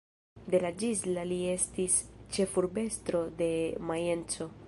De la ĝis la li estis ĉefurbestro de Majenco.